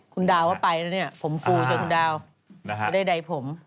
คุณดาวก็ไปแล้วเนี่ยผมฟูจนคุณดาวไม่ได้ใดผม